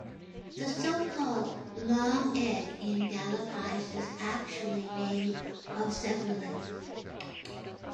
The so-called "long egg" in gala pies is actually made of several eggs.